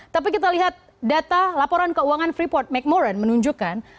tapi kita lihat data laporan keuangan freeport mcmoran menunjukkan